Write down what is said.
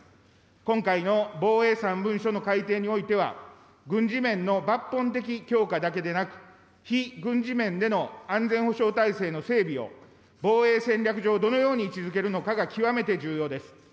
今回の防衛三文書の改定においては、軍事面の抜本的強化だけでなく、非軍事面での安全保障体制の整備を防衛戦略上どのように位置づけるのかが極めて重要です。